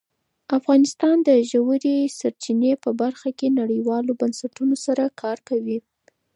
افغانستان د ژورې سرچینې په برخه کې نړیوالو بنسټونو سره کار کوي.